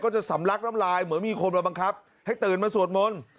จะสำลักน้ำลายเหมือนมีคนมาบังคับให้ตื่นมาสวดมนต์